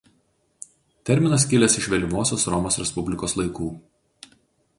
Terminas kilęs iš vėlyvosios Romos Respublikos laikų.